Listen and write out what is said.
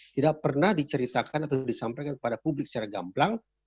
tidak pernah diceritakan atau disampaikan kepada publik secara gamblang